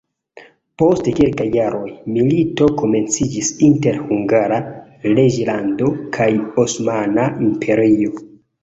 Post kelkaj jaroj milito komenciĝis inter Hungara reĝlando kaj Osmana Imperio.